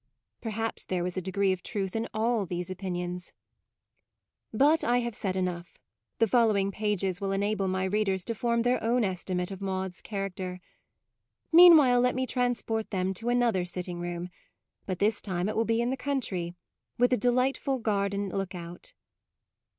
Perhaps there was a degree of truth in all these opinions. But I have said enough: the following pages will enable my readers to form their own estimate of Maude's character. Meanwhile let me transport them to another sitting room; but this time it will be in the country, with a de lightful garden look out.